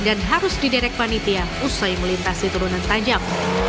dan harus didetek panitia usai melintasi turunan tajam